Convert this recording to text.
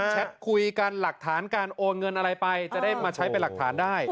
แท็ตคุยกันหลักฐานการโอนเงินอะไรไปจะได้มาใช้เป็นหลักฐานได้